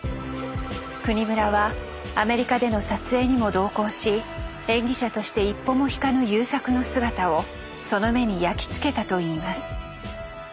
國村はアメリカでの撮影にも同行し演技者として一歩も引かぬ優作の姿をその目に焼き付けたといいます。